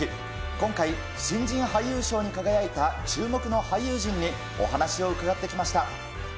今回、新人俳優賞に輝いた注目の俳優陣にお話を伺ってきました。